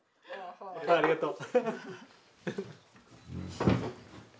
ありがとう。